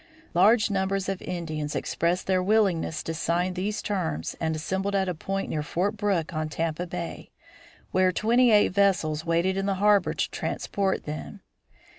Large numbers of Indians expressed their willingness to sign these terms and assembled at a point near Fort Brooke on Tampa Bay, where twenty eight vessels waited in the harbor to transport them.